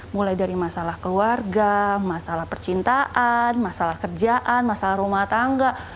mulai dari masalah keluarga masalah percintaan masalah kerjaan masalah rumah tangga